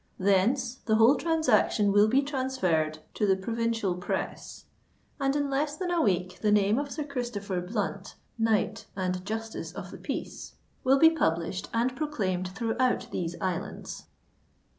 Thence the whole transaction will be transferred to the provincial press; and in less than a week, the name of Sir Christopher Blunt, Knight, and Justice of the Peace, will be published and proclaimed throughout these islands."